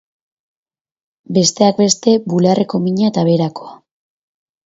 Besteak beste, bularreko mina eta beherakoa.